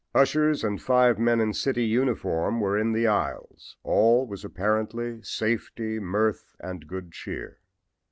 Ushers and five men in city uniform were in the aisles. All was apparently safety, mirth and good cheer.